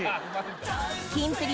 キンプリ